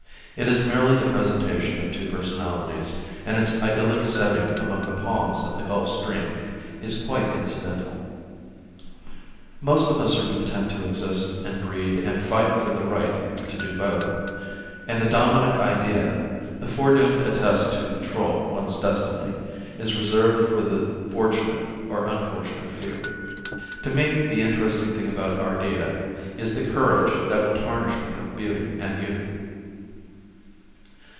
It is merely the presentation of two personalities, and its idyllic setting among the palms of the Gulf Stream is quite incidental. Most of us are content to exist and breed and fight for the right to do both, and the dominant idea, the foredoomed attest to control one's destiny, is reserved for the fortunate or unfortunate few. To me the interesting thing about Ardita is the courage that will tarnish with her beauty and youth.